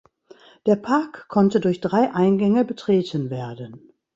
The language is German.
Der Park konnte durch drei Eingänge betreten werden.